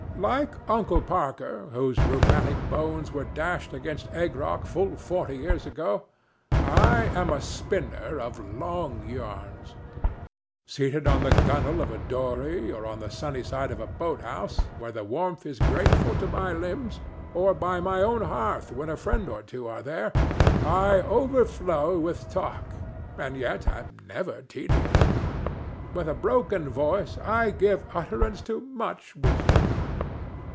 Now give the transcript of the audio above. Like Uncle Parker, whose rheumatic bones were dashed against Egg Rock full forty years ago, I am a spinner of long yarns. Seated on the gunnel of a dory or on the sunny side of a boat house, where the warmth is grateful to my limbs, or by my own hearth when a friend or two are there, I overflow with talk, and yet am never tedious. With a broken voice I give utterance to much wisdom.